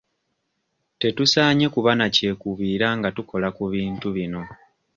Tetusaanye kuba na kyekubiira nga tukola ku bintu bino.